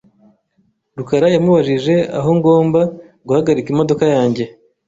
rukara yamubajije aho ngomba guhagarika imodoka yanjye .